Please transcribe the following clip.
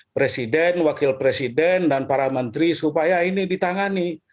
presiden wakil presiden dan para menteri supaya ini ditangani